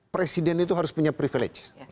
presiden itu harus punya privilege